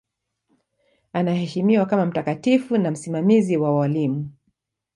Anaheshimiwa kama mtakatifu na msimamizi wa walimu.